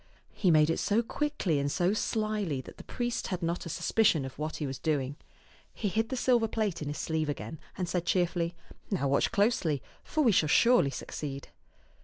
He made it so quickly and so slyly ^^t Canon' Vtoman'B €<xk 2 1 1 that the priest had not a suspicion of what he was doing. He hid the silver plate in his sleeve again and said cheerfully, " Now watch closely, for we shall surely succeed."